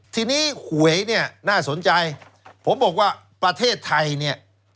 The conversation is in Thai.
ทีนี้หวยเนี่ยน่าสนใจผมบอกว่าประเทศไทยเนี่ย